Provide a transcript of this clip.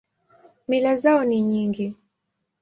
Mila zao ni nyingi.